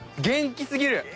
元気すぎる。